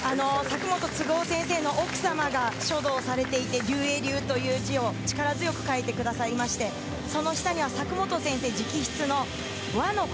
先生の奥様が書道の先生をしていて劉衛流という字を力強く書いてくださいましてその下には佐久本先生直筆の和の心